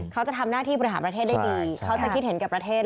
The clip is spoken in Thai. เขาจะทำหน้าที่บริหารประเทศได้ดีเขาจะคิดเห็นกับประเทศ